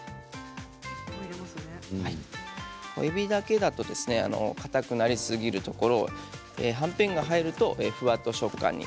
えびだけだと硬くなりすぎるところをはんぺんが入るとふわっと食感に。